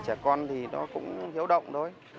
thế là trẻ con thì nó cũng hiểu động thôi